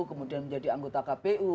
kemudian menjadi anggota kpu